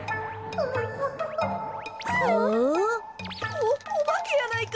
はん？おおばけやないか？